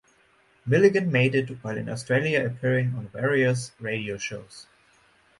Milligan made it while in Australia appearing on various radio shows.